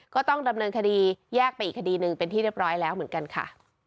ก็ต้องดำเนินคดีแยกไปอีกคดีหนึ่งเป็นที่เรียบร้อยแล้วเหมือนกันค่ะ